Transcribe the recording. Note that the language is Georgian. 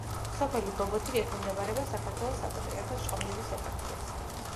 სოფელი ბობოთი ექვემდებარება საქართველოს საპატრიარქოს ჭყონდიდის ეპარქიას.